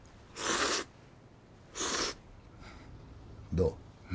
どう？